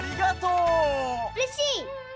うれしい！